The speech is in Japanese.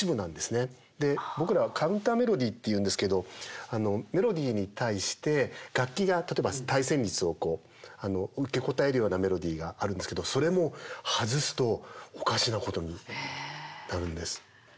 で僕らはカウンター・メロディーって言うんですけどメロディーに対して楽器が例えば対旋律をこう受け答えるようなメロディーがあるんですけどそれも外すとおかしなことになるんです。